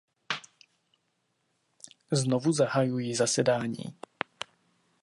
Znovu zahajuji zasedání.